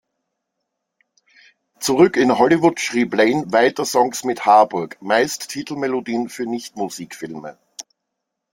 Zurück in Hollywood schrieb Lane weiter Songs mit Harburg, meist Titelmelodien für Nicht-Musikfilme.